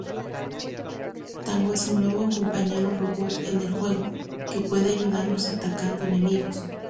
Tango es un nuevo compañero-robot en el juego, que puede ayudarnos atacando enemigos.